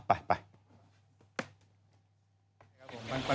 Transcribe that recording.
อ้าวไป